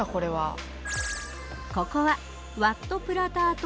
ここはワット・プラタート・